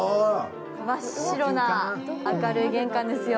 真っ白な明るい玄関ですよ。